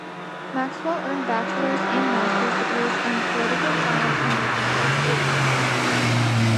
Maxwell earned bachelors and masters degrees in political science from the University of Utah.